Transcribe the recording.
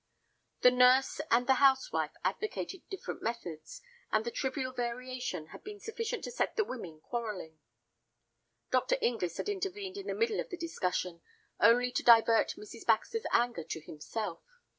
The nurse and the housewife advocated different methods, and the trivial variation had been sufficient to set the women quarrelling. Dr. Inglis had intervened in the middle of the discussion, only to divert Mrs. Baxter's anger to himself.